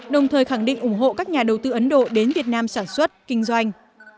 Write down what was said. đồng thời khẳng định ủng hộ các nhà đầu tư ấn độ đến việt nam sản xuất kinh doanh